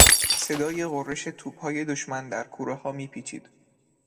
صدای غرش توپهای دشمن در کوهها میپیچید.